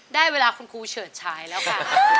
ได้เวลาคุณครูเฉิดฉายแล้วค่ะ